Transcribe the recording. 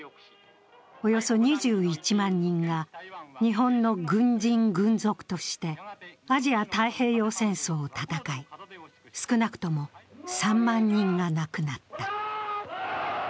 およそ２１万人が日本の軍人・軍属としてアジア太平洋戦争を戦い、少なくとも３万人が亡くなった。